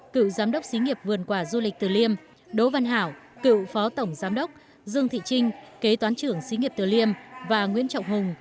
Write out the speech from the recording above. cựu giám đốc xí nghiệp vườn quả du lịch từ liêm đỗ văn hảo cựu phó tổng giám đốc dương thị trinh kế toán trưởng xí nghiệp từ liêm và nguyễn trọng hùng